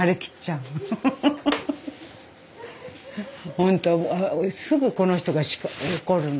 本当すぐこの人が怒るの。